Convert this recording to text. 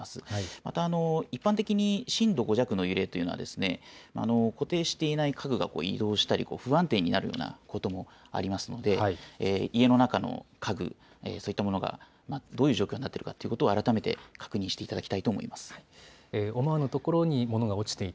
また、一般的に震度５弱の揺れというのは固定していない家具が移動したり不安定になるようなこともありますので家の中の家具そういったものがどういう状況になってるかっていうのを改めて確認していただきたいと思います。